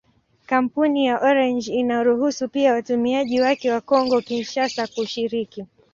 Kampuni ya Orange inaruhusu pia watumiaji wake wa Kongo-Kinshasa kushiriki.